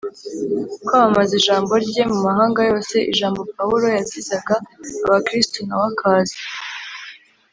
kwamamaza ijambo rye mu mahanga yose, ijambo paulo yazizaga abakristu nawe akaza